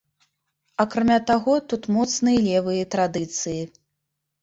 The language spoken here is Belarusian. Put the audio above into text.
Акрамя таго, тут моцныя левыя традыцыі.